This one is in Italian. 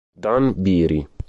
Dan Beery